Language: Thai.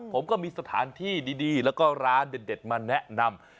ผมก็มีสถานที่ดีแล้วก็ร้านเด็ดมาแนะนำ